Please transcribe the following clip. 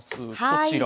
こちら。